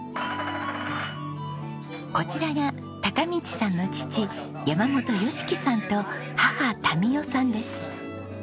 こちらが貴道さんの父山本良さんと母民代さんです。